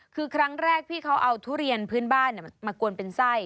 คือครั้งแรกพี่เขาเอาทุเรียนพื้นบ้านมากวนเป็นไส้